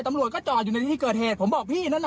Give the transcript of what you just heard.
ตำรวจก็จอดอยู่ในที่เกิดเหตุผมบอกพี่นั่นแหละ